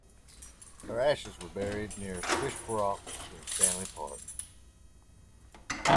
Her ashes were buried near Siwash Rock in Stanley Park.